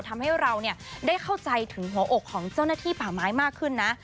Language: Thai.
ทำให้เราได้เข้าใจถึงหัวอกของเจ้าหน้าที่ป่าไม้มากขึ้นนะ